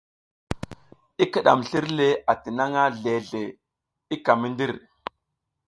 I kiɗam slir le atinangʼha zle zle i ka mi ndir.